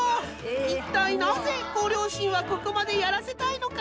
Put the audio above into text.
一体なぜご両親はここまでやらせたいのか。